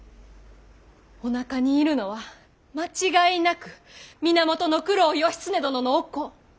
おなかにいるのは間違いなく源九郎義経殿のお子。